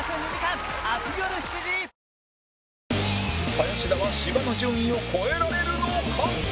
林田は芝の順位を超えられるのか？